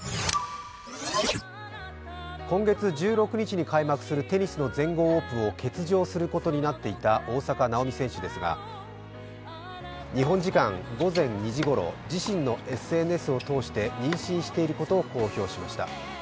今月１６日に開幕するテニスの全豪オープンを欠場することになっていた大坂なおみ選手ですが、日本時間午前２時ごろ、自身のＳＮＳを通して妊娠していることを公表しました。